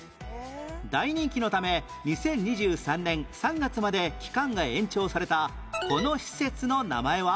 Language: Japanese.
大人気のため２０２３年３月まで期間が延長されたこの施設の名前は？